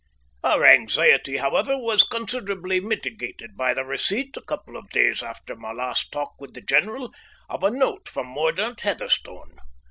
Our anxiety, however, was considerably mitigated by the receipt, a couple of days after my last talk with the general, of a note from Mordaunt Heatherstone.